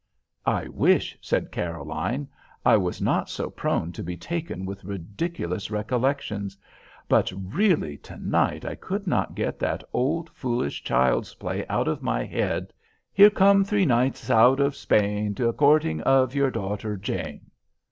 "I wish," said Caroline, "I was not so prone to be taken with ridiculous recollections. But really to night I could not get that old foolish child's play out of my head— Here come three knights out of Spain A courting of your daughter Jane."